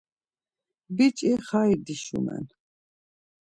Biç̌i xai dişumen.